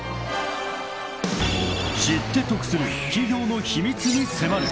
［知って得する企業の秘密に迫る］